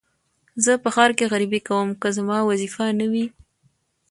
زه په ښار کې غريبي کوم که زما وظيفه نه وى.